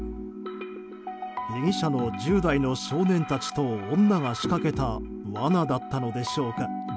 被疑者の１０代の少年たちと女が仕掛けた罠だったのでしょうか。